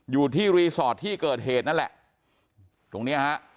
อยู่ที่รีสอร์ทที่เกิดเหตุนั่นแหละตรงเนี้ยฮะ